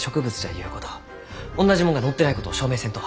おんなじもんが載ってないことを証明せんと。